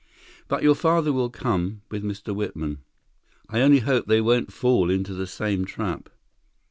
"But your father will come, with Mr. Whitman—" "I only hope they won't fall into the same trap."